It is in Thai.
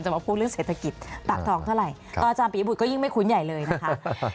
มาพูดเรื่องเศรษฐกิจปากทองเท่าไหร่อาจารย์ปียบุตรก็ยิ่งไม่คุ้นใหญ่เลยนะคะ